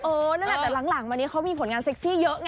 นั่นแหละแต่หลังมานี้เขามีผลงานเซ็กซี่เยอะนะ